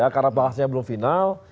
karena bahasnya belum final